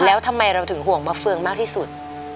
แล้วทำไมเราถึงห่วงมะเฟืองมากที่สุด